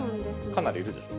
かなりいるでしょ。